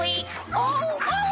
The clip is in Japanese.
おお！